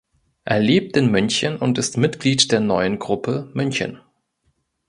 Er lebt in München und ist Mitglied der "Neuen Gruppe" München.